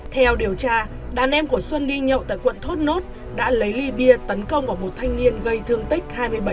theo điều tra đàn em của xuân đi nhậu tại quận thốt nốt đã lấy ly bia tấn công vào một thanh niên gây thương tích hai mươi bảy